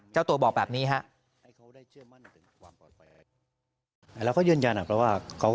เจ้าตัวบอกแบบนี้ฮะ